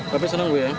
tapi senang ya